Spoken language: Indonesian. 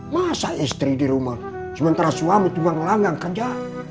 masa istri di rumah sementara suami tulang langgang kerja